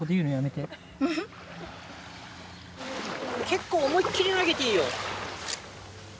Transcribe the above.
結構思いっ切り投げていいよ。